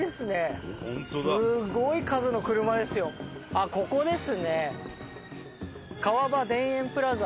あっここですね。